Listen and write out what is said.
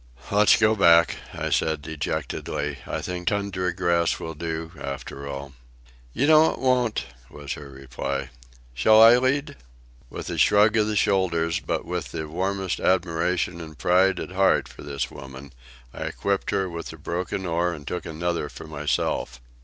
"Let's go back," I said dejectedly. "I think tundra grass, will do, after all." "You know it won't," was her reply. "Shall I lead?" With a shrug of the shoulders, but with the warmest admiration and pride at heart for this woman, I equipped her with the broken oar and took another for myself.